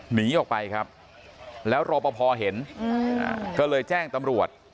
หนีออกไปครับแล้วรอปภเห็นก็เลยแจ้งตำรวจ